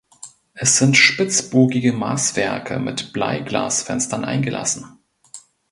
Es sind spitzbogige Maßwerke mit Bleiglasfenstern eingelassen.